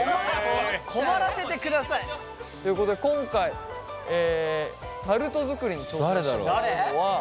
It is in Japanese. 困らせてください！ということで今回タルト作りに挑戦してもらうのは。